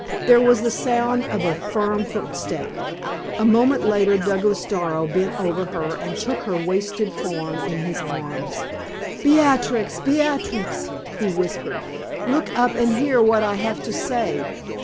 There was the sound of a firm footstep; a moment later Douglas Darrow bent over her and took her wasted form in his arms. "Beatrix, Beatrix!" he whispered, "look up and hear what I have to say.